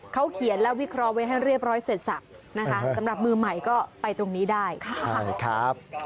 เขาเขียนและวิเคราะห์ไว้ให้เรียบร้อยเสร็จสับนะคะสำหรับมือใหม่ก็ไปตรงนี้ได้